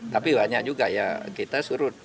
tapi banyak juga ya kita surut